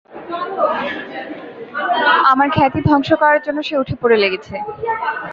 আমার খ্যাতি ধ্বংস করার জন্য সে উঠে-পড়ে লেগেছে।